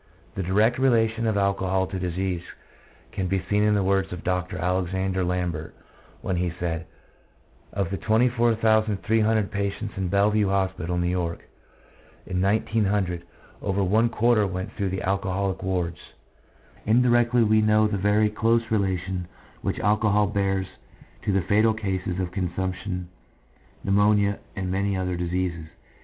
The direct relation of alcohol to disease can be seen in the words of Dr. Alexander Lambert, when he said, " Of the 24,300 patients in Bellevue Hospital (New York) in 1900, over one quarter went through the alcoholic wards." Indirectly we know the very close relation which alcohol bears to fatal cases of consumption, pneu monia, and many other diseases.